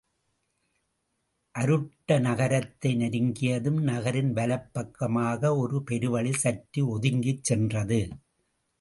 அருட்ட நகரத்தை நெருங்கியதும் நகரின் வலப் பக்கமாக ஒரு பெருவழி சற்று ஒதுங்கிச் சென்றது.